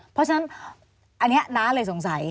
เพราะฉะนั้นอันนี้น้าเลยสงสัย